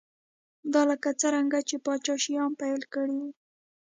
دا لکه څرنګه چې پاچا شیام پیل کړی و